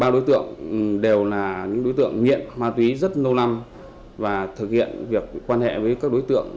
ba đối tượng đều là những đối tượng nghiện ma túy rất lâu năm và thực hiện việc quan hệ với các đối tượng